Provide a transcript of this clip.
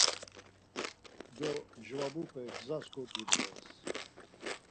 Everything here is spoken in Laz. Do, mjvabupe gzas koǩibğes.